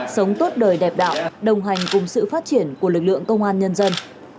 sống tốt đời đẹp đạo đồng hành cùng sự phát triển của lực lượng công an nhân dân